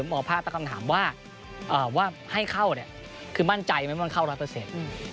หมอภาคตั้งคำถามว่าว่าให้เข้าเนี่ยคือมั่นใจไหมว่ามันเข้าร้อยเปอร์เซ็นต์